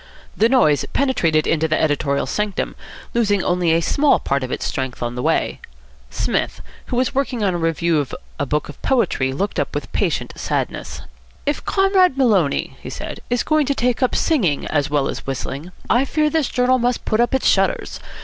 The noise penetrated into the editorial sanctum, losing only a small part of its strength on the way. Psmith, who was at work on a review of a book of poetry, looked up with patient sadness. "If Comrade Maloney," he said, "is going to take to singing as well as whistling, I fear this journal must put up its shutters.